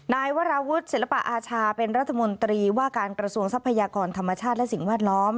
นายวราวุฒิศิลปะอาชาเป็นรัฐมนตรีว่าการกระทรวงทรัพยากรธรรมชาติและสิ่งแวดล้อม